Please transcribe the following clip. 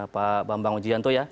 pak bambang ujianto ya